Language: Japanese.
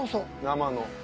生の。